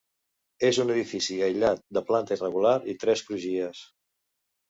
És un edifici aïllat de planta irregular i tres crugies.